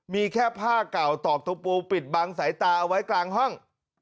มีแค่ผ้าเก่าตอกตะปูปิดบังสายตาเอาไว้กลางห้อง